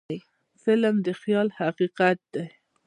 فلم د خیال حقیقت دی